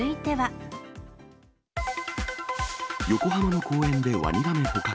横浜の公園でワニガメ捕獲。